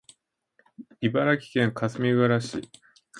茨城県かすみがうら市